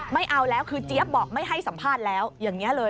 ไม่เอาแล้วคือเจี๊ยบบอกไม่ให้สัมภาษณ์แล้วอย่างนี้เลย